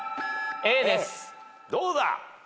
どうだ？